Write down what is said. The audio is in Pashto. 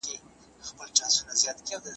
د هیوادونو ترمنځ قراردادونه څنګه څېړل کېږي؟